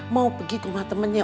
mau pergi ke rumah temannya